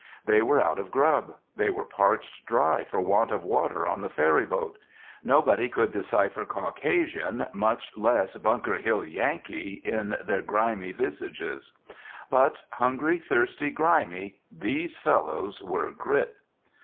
They were out of grub. They were parched dry for want of water on the ferry boat. Nobody could decipher Caucasian, much less Bunker Hill Yankee, in their grimy visages. But, hungry, thirsty, grimy, these fellows were GRIT.